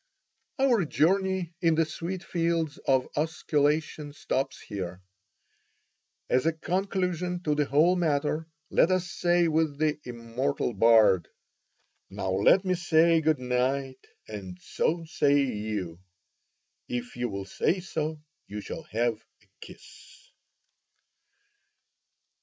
Our journey in the sweet fields of osculation stops here. As a conclusion to the whole matter, let us say with the immortal bard: Now let me say good night, and so say you; If you will say so, you shall have a kiss.